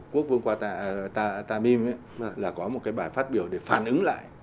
quốc vương tamim ấy là có một cái bài phát biểu để phản ứng lại